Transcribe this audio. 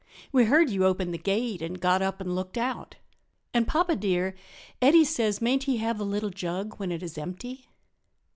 We heard you open the gate and got up and looked out. And, papa dear, Eddy says mayn't he have the little jug when it is empty?"